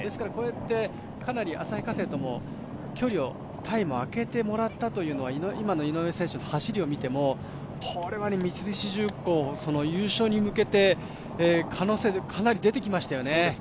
こうやってかなり旭化成とも距離をタイムを開けてもらったというのは今の井上選手の走りを見ても、三菱重工、優勝に向けて可能性、かなり出てきましたよね。